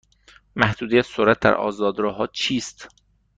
محدودیت سرعت در آزاد راه ها چیست؟